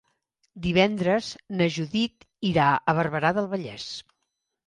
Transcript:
Divendres na Judit irà a Barberà del Vallès.